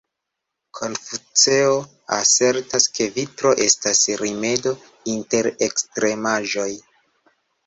Konfuceo asertas ke virto estas rimedo inter ekstremaĵoj.